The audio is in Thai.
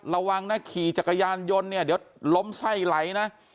ระวังนะขี่จักรยานยนต์เนี่ยเดี๋ยวล้มไส้ไหลนะ